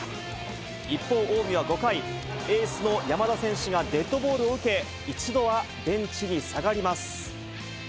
一方、近江は５回、エースの山田選手がデッドボールを受け、一度はベンチに下がります。